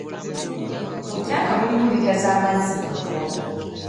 Mu tanka mulimu liita z'amazzi mmeka?